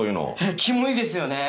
キモいですよねぇ。